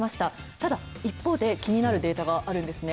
ただ一方で、気になるデータがあるんですね。